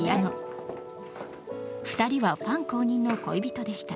２人はファン公認の恋人でした。